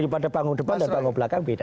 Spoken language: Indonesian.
daripada bangun depan dan bangun belakang beda